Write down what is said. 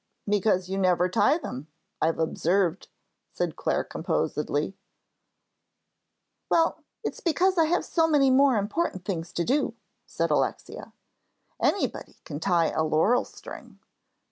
"Because you never tie them, I've observed," said Clare, composedly. "Well, it's because I have so many more important things to do," said Alexia. "Anybody can tie a laurel string."